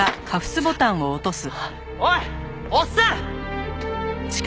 おいおっさん！